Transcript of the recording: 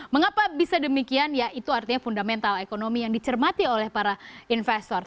mengapa bisa demikian ya itu artinya fundamental ekonomi yang dicermati oleh para investor